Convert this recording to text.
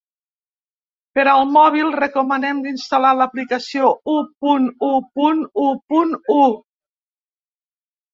Per al mòbil, recomanen d’instal·lar l’aplicació u punt u punt u punt u.